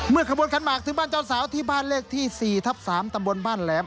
ขบวนขันหมากถึงบ้านเจ้าสาวที่บ้านเลขที่๔ทับ๓ตำบลบ้านแหลม